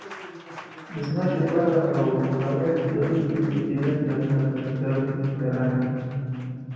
د ځمکې غوره او پایښت لرونکې مدیریت لکه ځنګل کرنه.